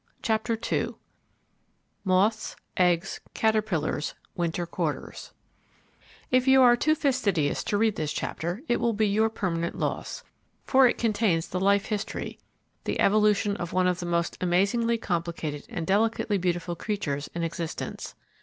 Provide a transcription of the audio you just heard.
CHAPTER II MOTHS, EGGS, CATERPILLARS, WINTER QUARTERS If you are too fastidious to read this chapter, it will be your permanent loss, for it contains the life history, the evolution of one of the most amazingly complicated and delicately beautiful creatures in existence.